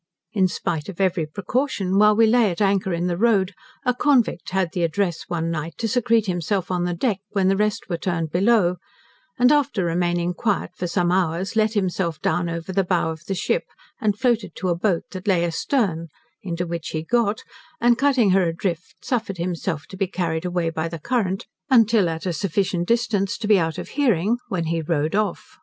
In spite of every precaution, while we lay at anchor in the road, a convict had the address, one night, to secrete himself on the deck, when the rest were turned below; and after remaining quiet for some hours, let himself down over the bow of the ship, and floated to a boat that lay astern, into which he got, and cutting her adrift, suffered himself to be carried away by the current, until at a sufficient distance to be out of hearing, when he rowed off.